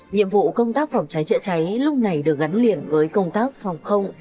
nhiệm vụ công tác phòng cháy chữa cháy lúc này được gắn liền với công tác phòng không